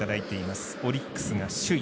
オリックスが首位。